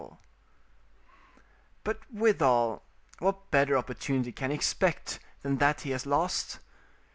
] But withal, what better opportunity can he expect than that he has lost?